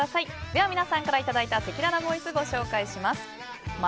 では、皆さんからいただいたせきららボイスご紹介します。